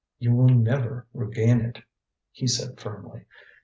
"You will never regain it," he said firmly.